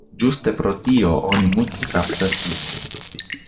Ĝuste pro tio oni multe kaptas ilin.